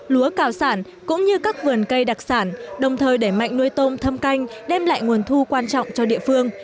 lúa cào sản cũng như các vườn cây đặc sản đồng thời đẩy mạnh nuôi tôm thâm canh đem lại nguồn thu quan trọng cho địa phương